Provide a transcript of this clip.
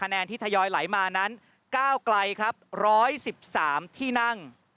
แนนที่ทัยอยหลายมานั้น๙และ๑๑๓ที่นั่ง